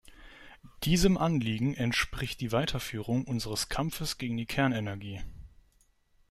Diesem Anliegen entspricht die Weiterführung unseres Kampfes gegen die Kernenergie.